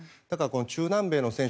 中南米の選手